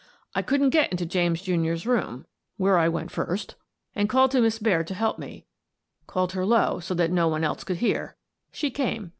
I couldn't get into James, Jr.'s room — where I went first — and called to Miss Baird to help me — called her low, so that no one else could hear. She came.